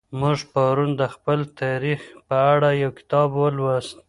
موږ پرون د خپل تاریخ په اړه یو کتاب ولوست.